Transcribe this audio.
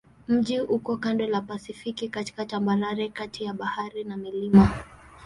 Mji uko kando la Pasifiki katika tambarare kati ya bahari na milima.